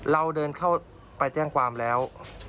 เราเดินเข้าไปแจ้งความแล้ว